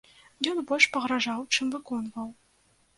Ён больш пагражаў, чым выконваў.